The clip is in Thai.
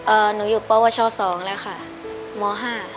อ่าหนูอยู่ปบช๒แล้วค่ะ